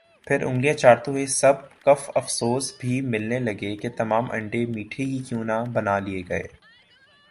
پھر انگلیاں چاٹتے ہوئے سب کف افسوس بھی ملنے لگے کہ تمام انڈے میٹھے ہی کیوں نہ بنا لئے گئے